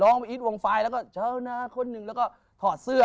ร้องบริษฐ์วงฟลายแล้วก็เจ้าหน้าคนหนึ่งแล้วก็ถอดเสื้อ